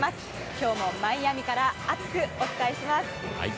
今日もマイアミから熱くお伝えします。